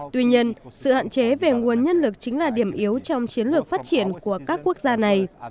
tuy nhiên sự hạn chế về nguồn nhân lực chính là điểm yếu trong chiến lược phát triển của các quốc gia này